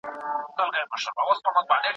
ایا ستا لارښود استاد مهربان دی؟